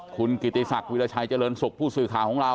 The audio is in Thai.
คุณกิติศักดิราชัยเจริญสุขผู้สื่อข่าวของเรา